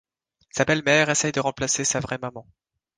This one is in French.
Sa belle-mère essaye de remplacer sa vrai maman.